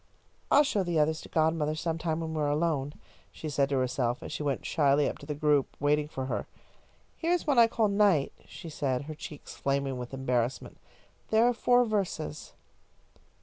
"I'll show the others to godmother sometime when we are alone," she said to herself, as she went shyly up to the group waiting for her, "Here is one I called 'Night,'" she said, her cheeks flaming with embarrassment. "There are four verses."